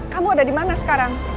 kamu ada dimana sekarang